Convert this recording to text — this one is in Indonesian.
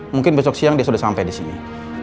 mungkin besok siang dia sudah sampai disini